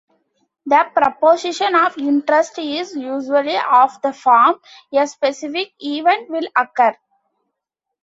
The proposition of interest is usually of the form A specific event will occur.